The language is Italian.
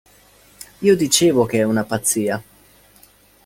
Io dicevo che è una pazzia.